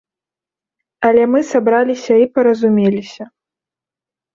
Але мы сабраліся і паразумеліся.